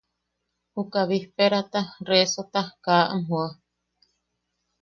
Juka bisperaata, resota kaa am joa.